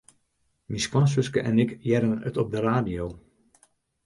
Myn skoansuske en ik hearden it op de radio.